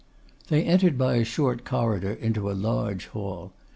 They entered by a short corridor into a large hall.